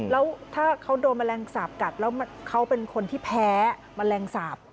แล้วถ้าเขาโดนแมลงสาปกัดแล้วเขาเป็นคนที่แพ้แมลงสาป